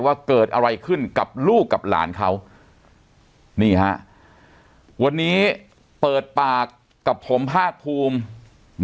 ว่าเกิดอะไรขึ้นกับลูกกับหลานเขานี่ฮะวันนี้เปิดปากกับผมภาคภูมิ